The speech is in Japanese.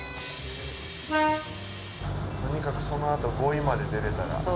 とにかくそのあと五井まで出られたら。